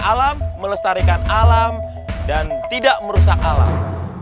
alam melestarikan alam dan tidak merusak alam